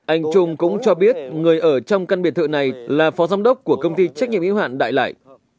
anh trung cũng cho biết người ở trong căn biệt thự này là phó giám đốc của công ty trách nhiệm yếu hạn đại lại